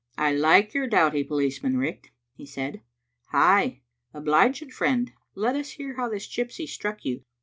"I like your doughty policeman, Riach,"he said. " Hie, obliging friend, let us hear how this gypsy struck you.